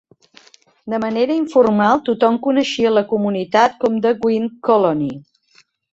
De manera informal, tothom coneixia la comunitat com "DeWitt Colony".